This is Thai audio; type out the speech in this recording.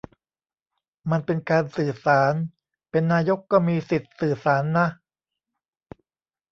มันเป็นการสื่อสาร เป็นนายกก็มีสิทธิ์สื่อสารนะ